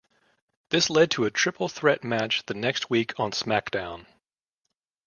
This led to a triple threat match the next week on SmackDown!